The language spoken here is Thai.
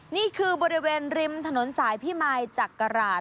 นี่คือบริเวณริมถนนสายพี่มายจากกระหลาด